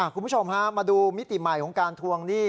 คุณผู้ชมฮะมาดูมิติใหม่ของการทวงหนี้